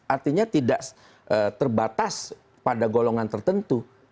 artinya tidak terbatas pada golongan tertentu